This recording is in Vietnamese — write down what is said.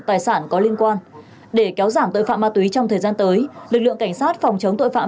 tài sản có liên quan để kéo giảm tội phạm ma túy trong thời gian tới lực lượng cảnh sát phòng chống tội phạm